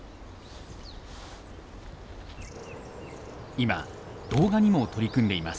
今動画にも取り組んでいます。